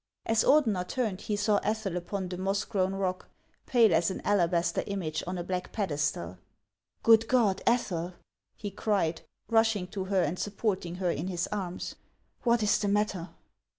As Ordener turned, he saw Ethel upon the moss grown rock, pale as an alabaster image on a black pedestal. " Good God, Ethel !" he cried, rushing to her and sup porting her in his arms, " what is the matter